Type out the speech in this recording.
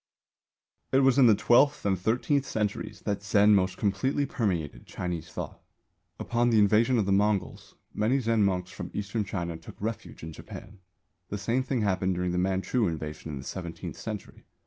It was in the twelfth and thirteenth centuries that Zen most completely permeated Chinese thought. Upon the invasion of the Mongols many Zen monks from Eastern China took refuge in Japan; the same thing happened during the Manchu invasion in the seventeenth century.